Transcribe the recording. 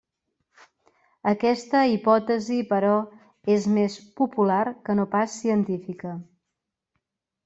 Aquesta hipòtesi, però, és més popular que no pas científica.